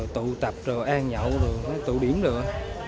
tụ tập rồi ăn nhậu rồi tụ điểm rồi